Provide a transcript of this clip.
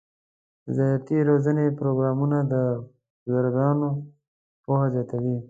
د زراعتي روزنې پروګرامونه د بزګرانو پوهه زیاتوي.